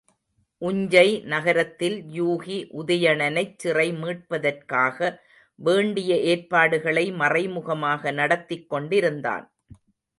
உஞ்சை நகரத்தில் யூகி, உதயணனைச் சிறை மீட்பதற்காக வேண்டிய ஏற்பாடுகளை மறைமுகமாக நடத்திக் கொண்டிருந்தான்.